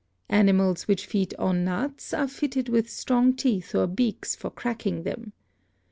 Animals which feed on nuts are fitted with strong teeth or beaks for cracking them.